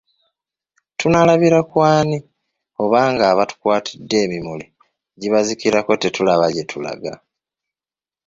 Tunaalabira ku ani oba ng'abatukwatidde emimuli gibazikirako tetulaba gye tulaga !